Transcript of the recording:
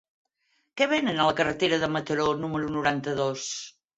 Què venen a la carretera de Mataró número noranta-dos?